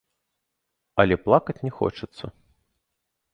Але плакаць не хочацца.